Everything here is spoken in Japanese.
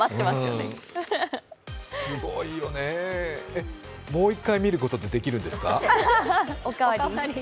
すごいよね、もう一回、見ることってできるんですか？